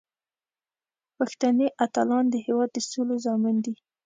پښتني اتلان د هیواد د سولې ضامن دي.